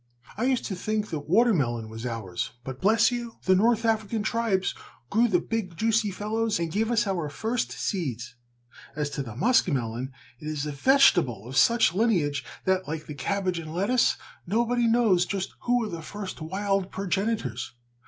I used to think the watermelon was ours, but, bless you! the north African tribes grew the big, juicy fellows and gave us our first seeds. As to the musk melon, it is a vegetable of such lineage that, like the cabbage and lettuce, nobody knows just who were their first wild progenitors.